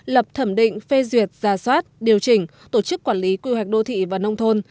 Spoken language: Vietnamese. lập thẩm định phê duyệt giả soát điều chỉnh tổ chức quản lý quy hoạch đô thị và nông thôn